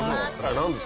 何で？